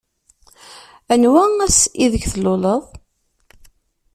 Anwa ass ideg tluleḍ?